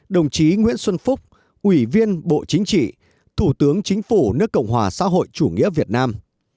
đồng chí nguyễn xuân phúc ủy viên bộ chính trị thủ tướng chính phủ nước cộng hòa xã hội chủ nghĩa việt nam